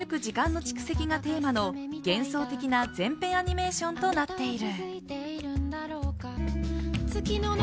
ミュージックビデオは移ろいゆく時間の蓄積がテーマの幻想的な全編アニメーションとなっている。